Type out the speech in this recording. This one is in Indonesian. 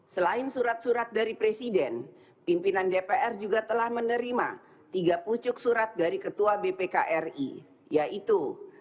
selain surat surat dari presiden pimpinan dpr juga telah menerima tiga pucuk surat dari ketua bpkri yaitu